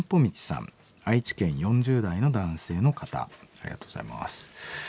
ありがとうございます。